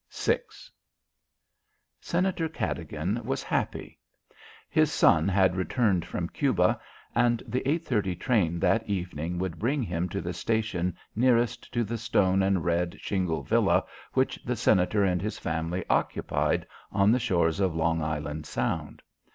VI Senator Cadogan was happy. His son had returned from Cuba, and the 8:30 train that evening would bring him to the station nearest to the stone and red shingle villa which the Senator and his family occupied on the shores of Long Island Sound.